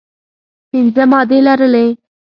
پنځه مادې لرلې.